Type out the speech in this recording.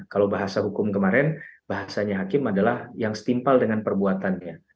kalau bahasa hukum kemarin bahasanya hakim adalah yang setimpal dengan perbuatannya